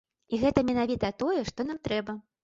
І гэта менавіта тое, што нам трэба.